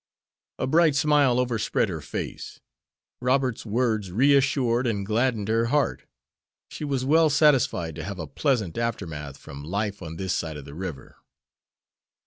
A bright smile overspread her face. Robert's words reassured and gladdened her heart. She was well satisfied to have a pleasant aftermath from life on this side of the river.